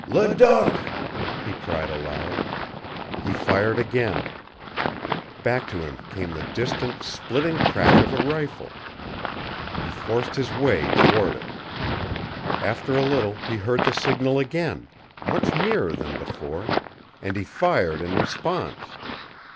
"Ledoq!" he cried aloud. He fired again. Back to him came the distant, splitting crack of a rifle. He forced his way toward it. After a little he heard the signal again, much nearer than before, and he fired in response.